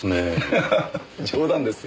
ハハハッ冗談ですよ。